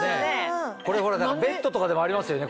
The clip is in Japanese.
これほらベッドとかでもありますよね